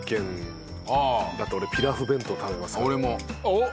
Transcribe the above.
おっ！